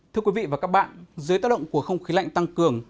thưa quý vị và các bạn dưới tác động của không khí lạnh tăng cường